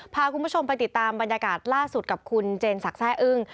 พาคุณผู้ชมไปติดตามบรรยากาศล่าสุดกับคุณเจนสักแร่อึ้ง